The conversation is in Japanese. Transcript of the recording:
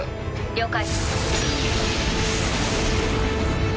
了解。